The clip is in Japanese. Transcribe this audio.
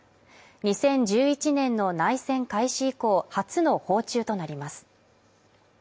２０１１年の内戦開始以降初の訪中となります